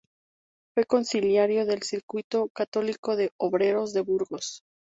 Fue Consiliario del Círculo Católico de Obreros de Burgos.